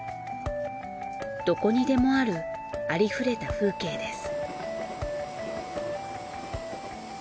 どこにでもあるありふれた風景です。